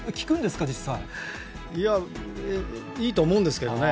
いや、いいと思うんですけどね。